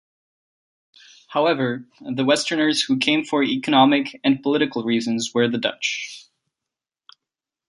However, the westerners who came for economic and political reasons were the Dutch.